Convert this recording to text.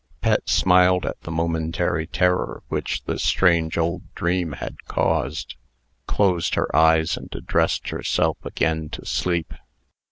Pet smiled at the momentary terror which the strange old dream had caused, closed her eyes, and addressed herself again to sleep.